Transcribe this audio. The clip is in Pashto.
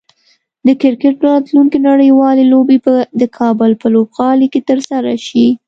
د کرکټ راتلونکی نړیوالې لوبې به د کابل په لوبغالي کې ترسره شي